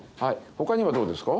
ほかにはどうですか？